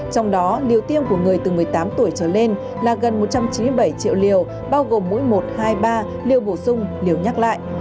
trong đó liều tiêm của người từ một mươi tám tuổi trở lên là gần một trăm chín mươi bảy triệu liều bao gồm mỗi một hai ba liều bổ sung liều nhắc lại